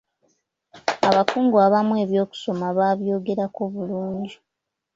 Abakugu abamu eby'okusoma ba byogerako bulungi.